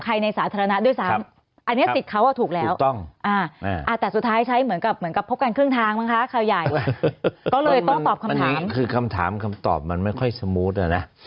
คือคำถามคำตอบมันไม่ค่อยสมูทอะนะ